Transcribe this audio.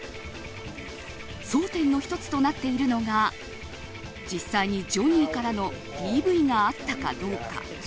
争点の１つとなっているのが実際にジョニーからのＤＶがあったかどうか。